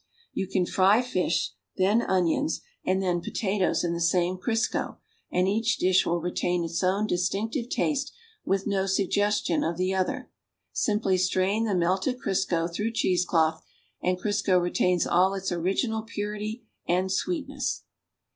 You can fry fish, then onions, and tlif'n ]:)otatoes in the same Crisoo and each dish will retain its own distuiclive taste with no suggestion of tlie other. Simply strain the melted Crisco through cheesecloth and Oisco retains all its original purity and sweetness.